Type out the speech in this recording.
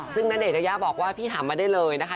ซึ่งณเดชนยายาบอกว่าพี่ถามมาได้เลยนะคะ